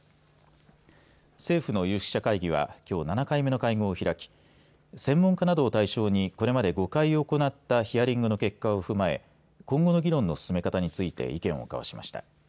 政府の有識者会議はきょう７回目の会合を開き専門家など対象にこれまで５回行ったヒアリングの結果を踏まえ今後の議論の進め方について意見を交わしました。